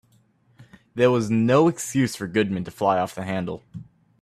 There was no excuse for Goodman to fly off the handle.